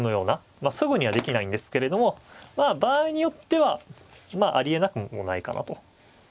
まあすぐにはできないんですけれどもまあ場合によってはありえなくもないかなと。